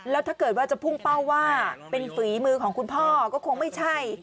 แล้วถ้าเกิดว่าจะพุ่งเป้าว่าเป็นฝีมือของคุณพ่อก็คงไม่ใช่